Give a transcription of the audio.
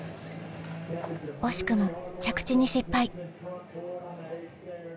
惜しくも着地に失敗。